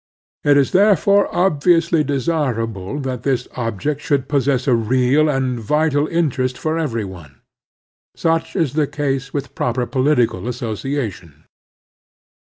" Tt is therefore obviously desirable that this object should possess a real and vital interest for every one. Such is the case with a proper political asso ciation.